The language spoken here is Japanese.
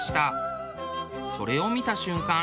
それを見た瞬間